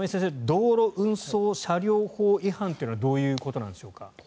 道路運送車両法違反というのはどういうことなんでしょうか。